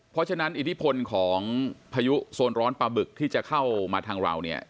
เพราะฉะนั้นอิทธิพลของพายุโซนร้อนปลาบึกที่จะเข้ามาทางเราเนี่ย